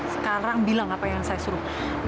sekarang bilang apa yang saya suruh